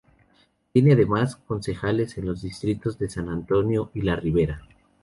Tiene además concejales en los distritos de San Antonio y La Ribera.